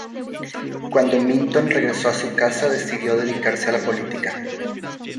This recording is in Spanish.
Cuando Minton regresó a su casa decidió dedicarse a la política.